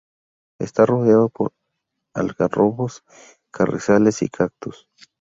Esta rodeado por algarrobos, carrizales y cactus.